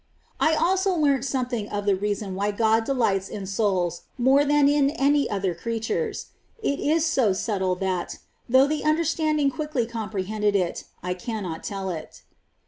"^ I also learnt something of the reason w^hy God delights in souls more than in any other creatures : it is so subtile that, though the understanding quickly comprehended it, I cannot tell it.